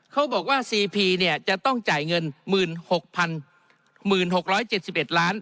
เขาบอกว่าซีพีเนี่ยจะต้องจ่ายเงินหมื่นหกพันหมื่นหกร้อยเจ็ดสิบเอ็ดล้าน